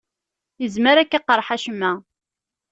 Yezmer ad k-iqerreḥ acemma.